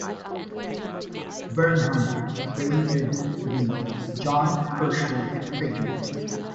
Burnham created the "John Herschel" figure.